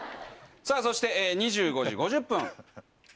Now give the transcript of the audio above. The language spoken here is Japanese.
そして２５時５０分。